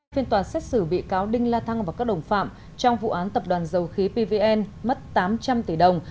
phiên tòa xét xử bị cáo đinh la thăng và các đồng phạm trong vụ án tập đoàn dầu khí pvn mất tám trăm linh tỷ đồng